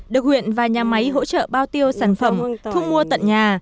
được huyện và nhà máy hỗ trợ bao tiêu sản phẩm thu mua tận nhà